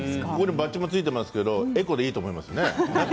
バッジもついてますけどエコでいいと思いますね。